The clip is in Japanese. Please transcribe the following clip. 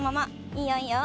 いいよいいよ。